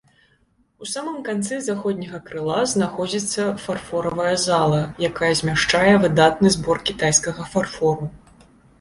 У самым канцы заходняга крыла знаходзіцца фарфоравая зала, якая змяшчае выдатны збор кітайскага фарфору.